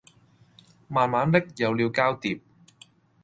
慢慢的有了交疊